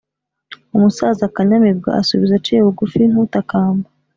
umusaza kanyamibwa asubiza aciye bugufi nk’ utakamba